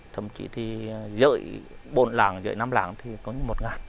thậm chí thì dưỡng bốn làng dưỡng năm làng thì có như một